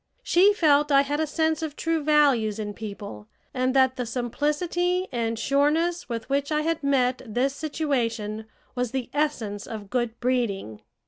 She felt I had a sense of true values in people, and that the simplicity and sureness with which I had met this situation was the essence of good breeding.